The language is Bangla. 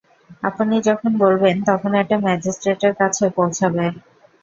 আপনি যখন বলবেন তখন এটা ম্যাজিস্ট্রেট এর কাছে পৌঁছাবে।